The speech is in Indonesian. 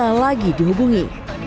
tak bisa lagi dihubungi